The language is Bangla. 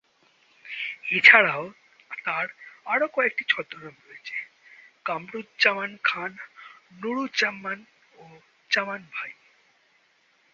এছাড়াও তার আরো কয়েকটি ছদ্মনাম রয়েছে, কামরুজ্জামান খান, নুরুজ্জামান ও জামান ভাই।